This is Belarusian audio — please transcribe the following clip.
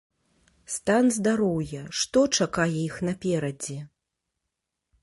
Стан здароўя, што чакае іх наперадзе?